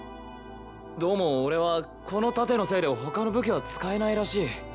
どうも俺はこの盾のせいで他の武器は使えないらしい。